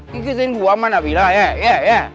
ini kita ini buah mana pilih lah ya ya ya